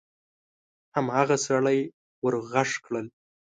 هماغه سړي ور غږ کړل: